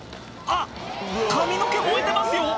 あっ髪の毛燃えてますよ